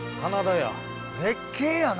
絶景やな。